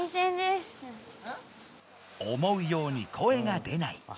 思うように声が出ない。